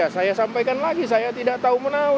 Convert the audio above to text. saya sampaikan lagi saya tidak tahu menahu